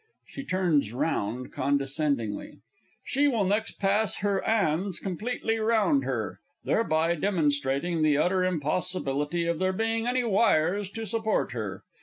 (She turns round condescendingly.) She will next pass her 'ands completely round her, thereby demonstrating the utter impossibility of there being any wires to support her.